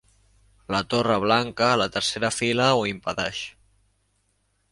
La torre blanca a la tercera fila ho impedeix.